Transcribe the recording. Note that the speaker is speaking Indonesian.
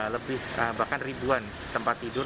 lebih bahkan ribuan tempat tidur